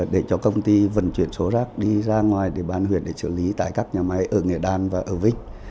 để cho công ty vận chuyển số rác đi ra ngoài để bán huyện để xử lý tại các nhà máy ở nghệ đan và ở vích